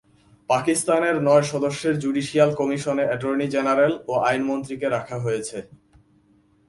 পাকিস্তানের নয় সদস্যের জুডিশিয়াল কমিশনে অ্যাটর্নি জেনারেল ও আইনমন্ত্রীকে রাখা হয়েছে।